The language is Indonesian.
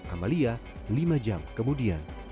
amalia lima jam kemudian